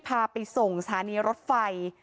กลับไปส่งสถานีรถไฟ